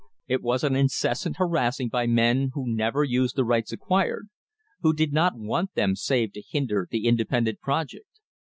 It was an incessant harassing by men who never used the rights acquired who did not want them save to hinder the independent project.